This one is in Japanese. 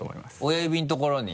親指のところに？